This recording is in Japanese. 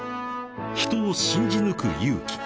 ［人を信じ抜く勇気］